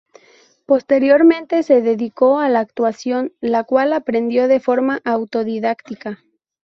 Posteriormente se dedicó a la actuación, la cual aprendió de forma autodidacta.